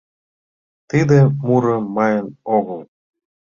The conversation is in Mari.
Тиде муро мыйын огыл.